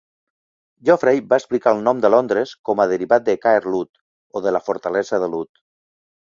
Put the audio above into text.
Geoffrey va explicar el nom de "Londres" com a derivat de "Caer Lud", o de la fortalesa de Lud.